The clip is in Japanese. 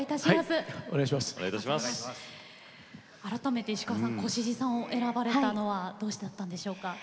改めて、石川さん越路さんを選ばれたのはどうしてだったんですか？